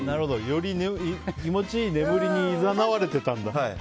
より気持ちいい眠りにいざなわれてたんだ。